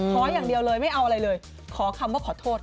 ขออย่างเดียวเลยไม่เอาอะไรเลยขอคำว่าขอโทษ